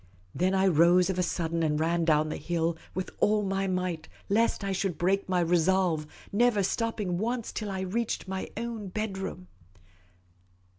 Then I rose of a sudden, and ran down the hill with all my might, lest I should break my resolve, never stopping once till I reached my own bedroom.